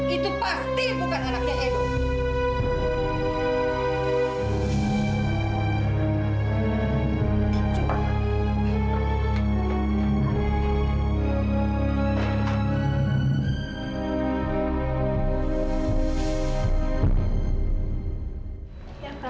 itu pasti bukan anaknya itu